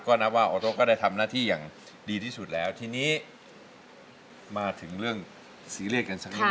ก็นับว่าโอโต้ก็ได้ทำหน้าที่อย่างดีที่สุดแล้วทีนี้มาถึงเรื่องซีเรียสกันสักนิด